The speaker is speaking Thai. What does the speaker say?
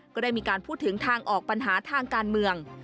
ก็ได้มีการพูดถึงทางออกปัญหาทางการเมือง